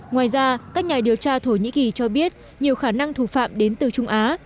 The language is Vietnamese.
ngoài ra các nhà điều tra thổ nhĩ kỳ cho biết nhiều khả năng thủ phạm đến từ trung á